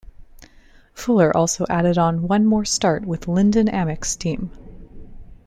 Fuller also added on one more start with Lyndon Amick's team.